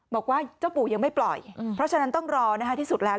บอกว่าเจ้าปู่ยังไม่ปล่อยเพราะฉะนั้นต้องรอที่สุดแล้ว